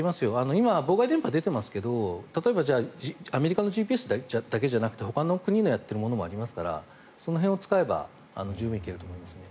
今、妨害電波が出ていますが例えばアメリカのＧＰＳだけじゃなくてほかの国がやっているものもありますからその辺を使えば十分行けると思いますね。